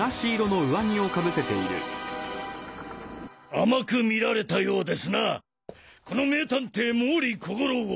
「甘く見られたようですなぁこの名探偵毛利小五郎を」。